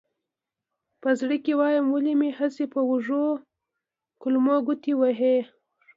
په زړه کې وایم ولې مې هسې په وږو کولمو ګوتې وهې.